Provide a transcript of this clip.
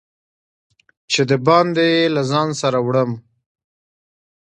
چې د باندي یې له ځان سره وړم